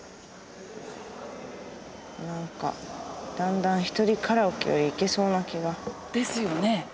なんかだんだんひとりカラオケよりいけそうな気が。ですよね。